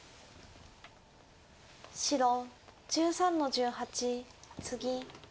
白１３の十八ツギ。